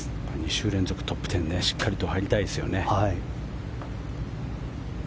２週連続トップ１０しっかり入りたいですよね。